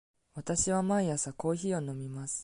わたしは毎朝コーヒーを飲みます。